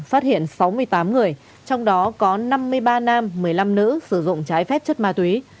phát hiện sáu mươi tám người trong đó có năm mươi ba nam một mươi năm nữ sử dụng trái phép chất ma túy